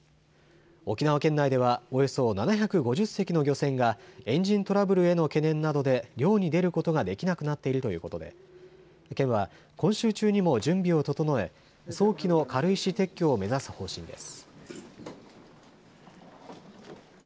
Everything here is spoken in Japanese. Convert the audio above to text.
沖縄県内ではおよそ７５０隻の漁船がエンジントラブルへの懸念などで漁に出ることができなくなっているということで県は今週中にも準備を整え早期の軽石撤去を目指す方針です。